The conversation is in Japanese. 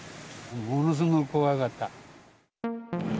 ものすごく怖かった。